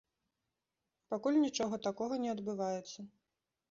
Пакуль нічога такога не адбываецца.